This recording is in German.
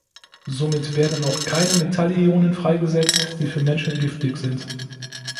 Somit werden auch keine Metallionen freigesetzt, die für Menschen giftig sind.